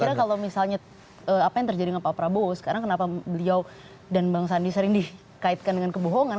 saya kira kalau misalnya apa yang terjadi dengan pak prabowo sekarang kenapa beliau dan bang sandi sering dikaitkan dengan kebohongan